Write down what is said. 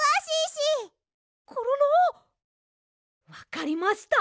コロロわかりました！